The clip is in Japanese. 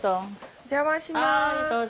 お邪魔します。